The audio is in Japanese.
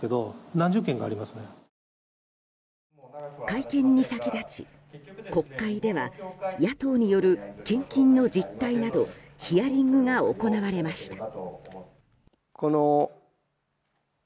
会見に先立ち国会では、野党による献金の実態などヒアリングが行われました。